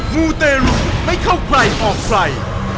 มูเตรุไม่เข้าใครออกใคร